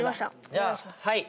じゃあはい。